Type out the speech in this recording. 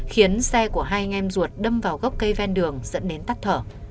khiến xe của hai anh em ruột đâm vào gốc cây ven đường dẫn đến tắt thở